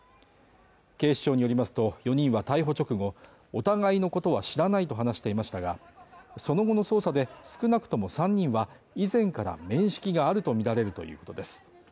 警視庁によりますと、４人は逮捕直後、お互いのことは知らないと話していましたが、その後の捜査で少なくとも３人は以前から面識があるとみられるということです。